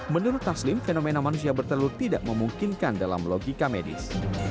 menurut taslim fenomena manusia bertelur tidak memungkinkan dalam logika medis